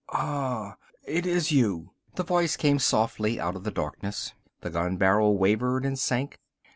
"Ahh, it is you " the voice came softly out of the darkness, the gun barrel wavered and sank.